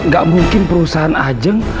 gak mungkin perusahaan ajeng